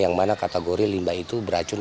yang mana kategori limbah itu beracun